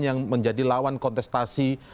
yang menjadi lawan kontestasi